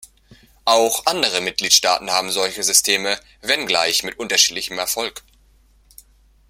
Auch andere Mitgliedstaaten haben solche Systeme, wenngleich mit unterschiedlichem Erfolg.